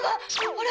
あれ？